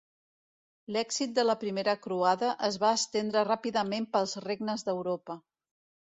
L'èxit de la Primera Croada es va estendre ràpidament pels regnes d'Europa.